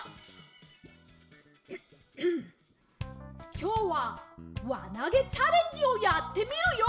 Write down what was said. きょうはわなげチャレンジをやってみるＹＯ！